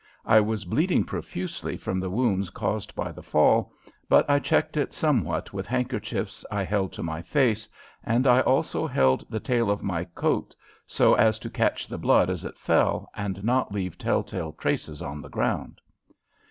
I was bleeding profusely from the wounds caused by the fall, but I checked it somewhat with handkerchiefs I held to my face and I also held the tail of my coat so as to catch the blood as it fell and not leave telltale traces on the ground.